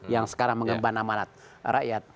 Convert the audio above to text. yang sekarang mengemban amanat rakyat